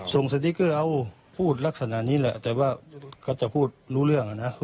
สติ๊กเกอร์เอาพูดลักษณะนี้แหละแต่ว่าก็จะพูดรู้เรื่องนะ